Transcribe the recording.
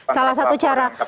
salah satu cara